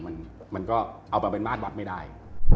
มันก็เอามาเป็นมาตรวัดไม่ได้